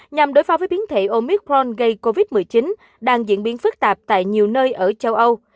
nhằm đối phó với biến thể omicron gây covid một mươi chín đang diễn biến phức tạp tại nhiều nơi ở châu âu